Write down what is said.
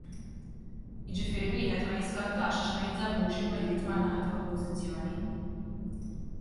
Jiġifieri wieħed ma jiskantax għax ma jinżammux il-wegħdiet man-naħa tal-Oppożizzjoni!